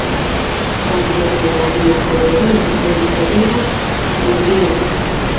Dante en la Dia Komedio multe diras pri tio.